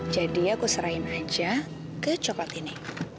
jadi aku serahin aja ke coklat ini